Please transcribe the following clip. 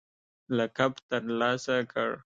لقب ترلاسه کړ